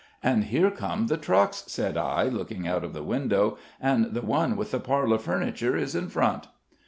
"And here come the trucks," said I, looking out of the window, "and the one with the parlor furniture is in front."